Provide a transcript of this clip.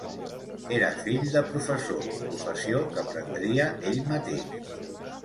Era fill de professor, professió que prendria ell mateix.